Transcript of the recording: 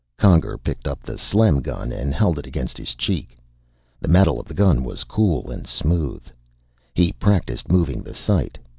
Conger picked up the Slem gun and held it against his cheek. The metal of the gun was cool and smooth. He practiced moving the sight.